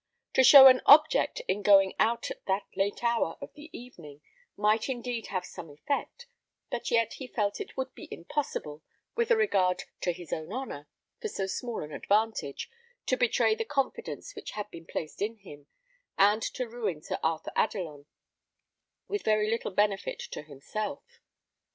To show an object in going out at that late hour of the evening might indeed have some effect; but yet he felt it would be impossible, with a regard to his own honour, for so small an advantage, to betray the confidence which had been placed in him, and to ruin Sir Arthur Adelon, with very little benefit to himself.